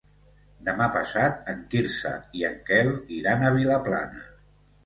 Demà passat en Quirze i en Quel iran a Vilaplana.